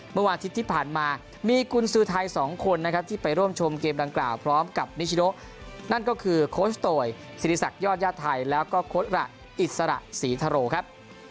เมื่อวานอาทิตย์ที่ผ่านมามีกุญสือไทย๒คนนะครับที่ไปร่วมชมเกมดังกล่าวพร้อมกับนิชโนนั่นก็คือโคชโตยศิริษักยอดญาติไทยแล้วก็โค้ดระอิสระศรีทะโรครับ